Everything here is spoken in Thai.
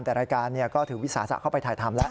แต่รายการก็ถือวิสาสะเข้าไปถ่ายทำแล้ว